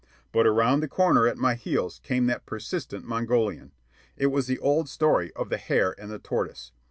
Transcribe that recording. But around the corner at my heels came that persistent Mongolian. It was the old story of the hare and the tortoise.